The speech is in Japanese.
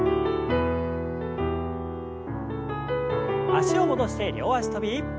脚を戻して両脚跳び。